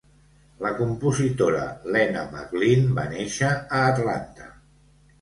La compositora Lena McLin va néixer a Atlanta.